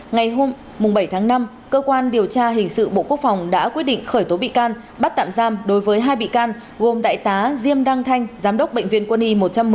ngày hôm bảy tháng năm cơ quan điều tra hình sự bộ quốc phòng đã quyết định khởi tố bị can bắt tạm giam đối với hai bị can gồm đại tá diêm đăng thanh giám đốc bệnh viện quân y một trăm một mươi